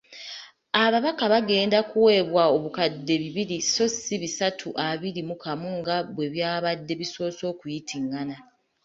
Ababaka bagenda kuweebwa obukadde bibiri so ssi bisatu abiri mu kamu nga bwe byabadde bisoose okuyitingana.